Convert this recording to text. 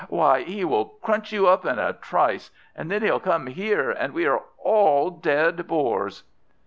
Why, he will crunch you up in a trice, and then he'll come here, and we are all dead Boars!"